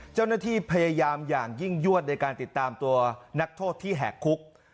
เจ้าหน้าที่พยายามอย่างยิ่งยวดในการติดตามตัวนักโทษที่แหกคุก